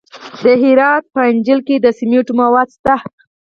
د هرات په انجیل کې د سمنټو مواد شته.